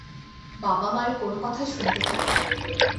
বাবা-মারা কোনো কথা শুনতে চায় না।